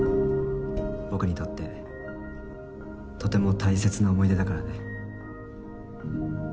僕にとってとても大切な思い出だからね。